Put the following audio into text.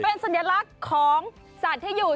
เป็นสัญลักษณ์ของสัตว์ที่อยู่